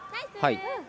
はい。